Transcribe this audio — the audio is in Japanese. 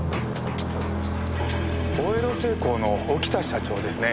大江戸製鋼の沖田社長ですね。